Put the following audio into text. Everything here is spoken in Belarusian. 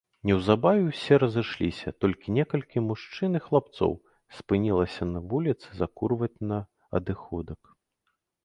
Неўзабаве ўсе разышліся, толькі некалькі мужчын і хлапцоў спынілася на вуліцы закурваць на адыходак.